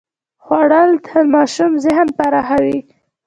خوړل د ماشوم ذهن پراخوي